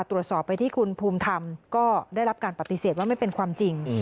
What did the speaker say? ตรวจสอบไปที่คุณภูมิธรรมก็ได้รับการปฏิเสธว่าไม่เป็นความจริง